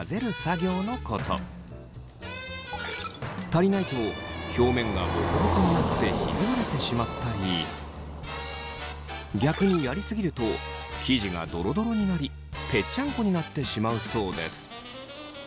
足りないと表面がボコボコになってひび割れてしまったり逆にやり過ぎると生地がドロドロになりぺっちゃんこになってしまうそうです。